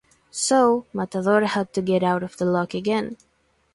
So "Matador" had to get out of the lock again.